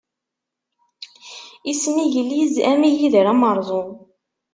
Ismigliz am igider ameṛẓu.